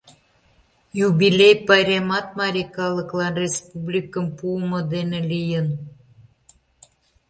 Юбилей пайремат марий калыклан республикым пуымо дене лийын.